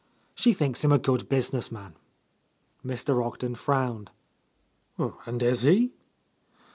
She thinks him a good business man." Mr. Ogden frowned. "And is he?"